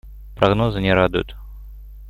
Прогнозы не радуют.